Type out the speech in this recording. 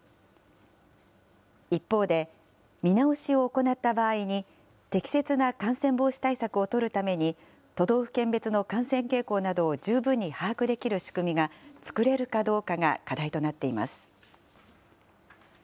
一方で、見直しを行った場合に、適切な感染防止対策を取るために、都道府県別の感染傾向などを十分に把握できる仕組みが作れるかどうかが課題となっています。